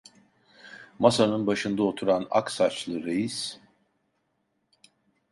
Masanın başında oturan ak saçlı reis: